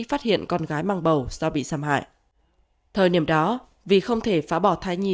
phát hiện con gái mang bầu do bị xâm hại thời điểm đó vì không thể phá bỏ thai nhì